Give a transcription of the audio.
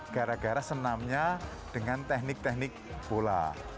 gara gara senamnya dengan teknik teknik bola